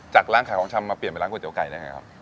จากร้านขายของชำมาเปลี่ยนไปร้านก๋วยเต๋วไก่ได้ไหมครับ